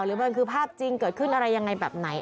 หรือมันคือภาพจริงเกิดขึ้นอะไรยังไงแบบไหน